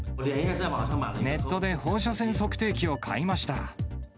ネットで放射線測定器を買いました。